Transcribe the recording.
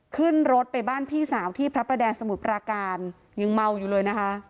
ขึ้นรถไปบ้านพี่สาวที่พระประแดงสมุทรปราการยังเมาอยู่เลยนะคะ